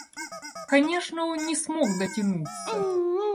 Конечно, он не смог дотянуться.